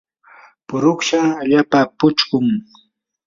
puruksa allaapa puchqun.